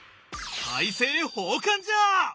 大政奉還じゃ！